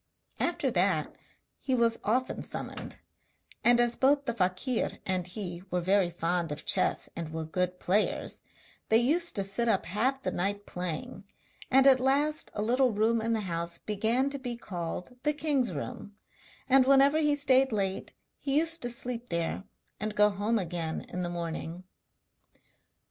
After that he was often summoned; and as both the fakir and he were very fond of chess and were good players, they used to sit up half the night playing, and at last a little room in the house began to be called the king's room, and whenever he stayed late he used to sleep there and go home again in the morning.